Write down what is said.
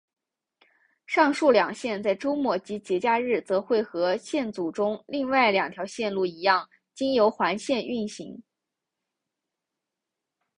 上述两线在周末以及节假日则会和线组中另外两条线路一样经由环线运行。